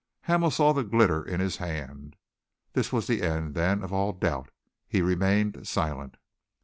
Hamel saw the glitter in his hand. This was the end, then, of all doubt! He remained silent.